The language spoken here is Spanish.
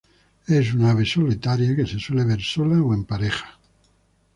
Es una ave solitaria que se suele ver sola o en parejas.